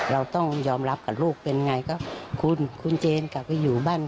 เราต้องยอมรับกับลูกเป็นไงก็คุณคุณเจนกลับไปอยู่บ้าน